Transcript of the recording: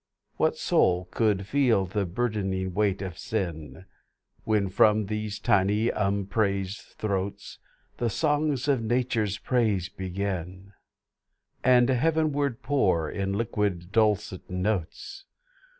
What soul could feel the burdening weight of sin When, from these tiny, upraised throats, The songs of Nature's praise begin And Heavenward pour, in liquid dulcet notes!